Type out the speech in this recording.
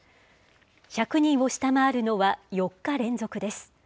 １００人を下回るのは４日連続です。